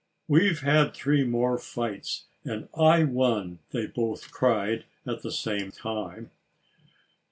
"We've had three more fights; and I won!" they both cried at the same time.